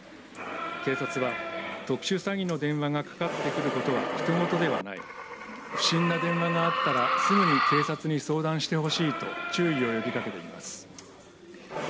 警察は特殊詐欺の電話がかかってくることは他人事ではない不審な電話があったらすぐに警察に相談してほしいと注意を呼びかけています。